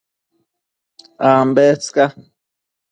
Ambes ca